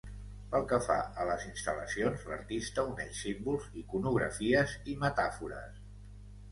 Pel que fa a les instal·lacions, l'artista uneix símbols, iconografies i metàfores.